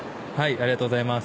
ありがとうございます。